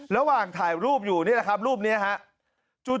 ระหว่างถ่ายรูปอยู่รูปนี้นะครับ